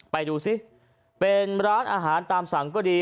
ไปดูซิเป็นร้านอาหารตามสั่งก็ดี